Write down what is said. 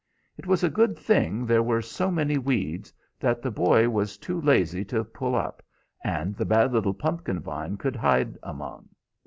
It was a good thing there were so many weeds, that the boy was too lazy to pull up, and the bad little pumpkin vine could hide among.